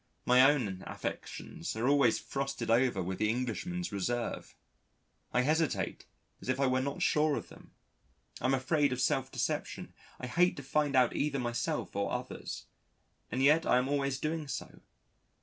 My own affections are always frosted over with the Englishman's reserve. I hesitate as if I were not sure of them. I am afraid of self deception, I hate to find out either myself or others. And yet I am always doing so.